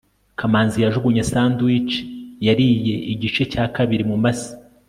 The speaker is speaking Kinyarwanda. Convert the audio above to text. kamanzi yajugunye sandwich yariye igice cya kabiri mumase